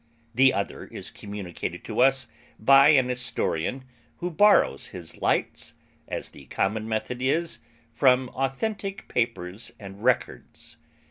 The other is communicated to us by an historian who borrows his lights, as the common method is, from authentic papers and records.